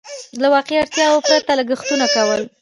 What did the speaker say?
له واقعي اړتياوو پرته لګښتونه کول.